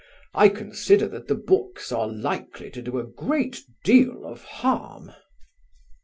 I consider that the books are likely to do a great deal of harm."